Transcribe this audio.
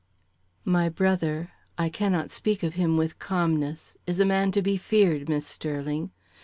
My brother I cannot speak of him with calmness is a man to be feared, Miss Sterling.